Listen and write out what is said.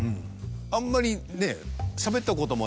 あんまりねっ。